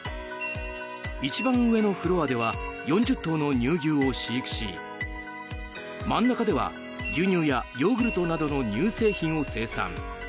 １番上のフロアでは４０頭の乳牛を飼育し真ん中では牛乳やヨーグルトなどの乳製品を生産。